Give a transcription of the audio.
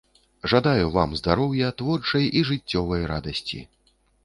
Жадаю вам здароўя, творчай і жыццёвай радасці.